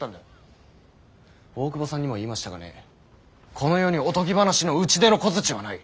大久保さんにも言いましたがねこの世におとぎ話の打ち出の小槌はない。